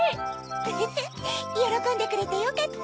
ウフフよろこんでくれてよかった。